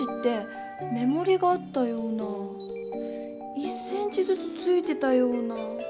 １ｃｍずつついてたような。